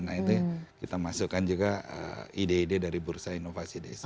nah itu kita masukkan juga ide ide dari bursa inovasi desa